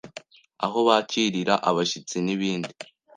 aho bakirira abashyitsi n’ibindi